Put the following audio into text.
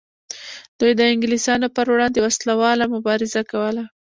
دوی د انګلیسانو پر وړاندې وسله واله مبارزه کوله.